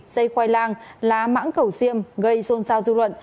dây khoai lang lá mãng cầu xiêm gây xôn xao dư luận